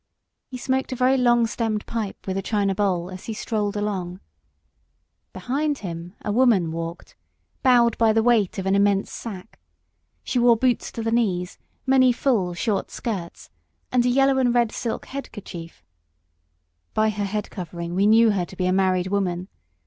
He smoked a very long stemmed pipe with a china bowl, as he strolled along. Behind him a woman walked, bowed by the weight of an immense sack. She wore boots to the knees, many full short skirts, and a yellow and red silk head kerchief. By her head covering we knew her to be a married woman.